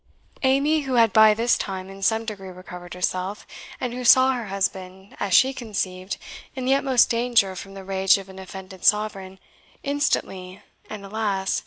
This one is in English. Amy, who had by this time in some degree recovered herself, and who saw her husband, as she conceived, in the utmost danger from the rage of an offended Sovereign, instantly (and alas!